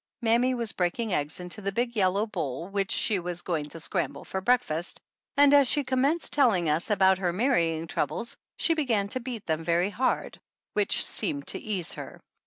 Mammy was breaking eggs into the big yellow bowl which she was going to scramble for breakfast, and as she commenced telling us about her marrying troubles she be gan to beat them very hard, which seemed to ease her.